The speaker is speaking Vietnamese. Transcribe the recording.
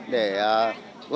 để tổ chức đồng bào